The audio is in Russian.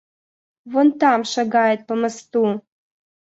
Вон там шагает по мосту...